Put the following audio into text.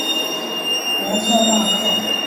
隆瑟纳克。